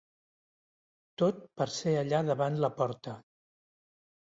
Tot per ser allà davant la porta.